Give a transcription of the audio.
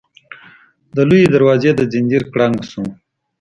د لويي دروازې د ځنځير کړنګ شو.